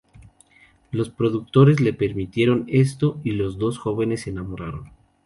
Los productores les permitieron esto, y los dos jóvenes se enamoraron.